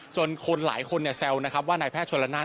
จนคนหลายคนแซวว่านายแพทย์ชวนลานาน